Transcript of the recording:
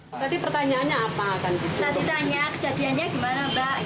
yang ketiga kena paha kanan terus memperagakan di situ di depan